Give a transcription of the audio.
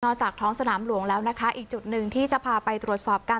จากท้องสนามหลวงแล้วนะคะอีกจุดหนึ่งที่จะพาไปตรวจสอบกัน